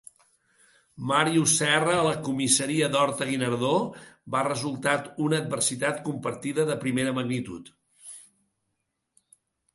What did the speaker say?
Màrius Serra a la comissaria d'Horta-Guinardó va resultat una adversitat compartida de primera magnitud.